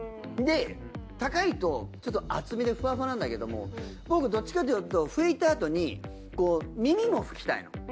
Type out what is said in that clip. で高いとちょっと厚みでふわふわなんだけども僕どっちかというと拭いたあとに耳も拭きたいの。